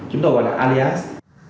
chúng tôi gọi là alias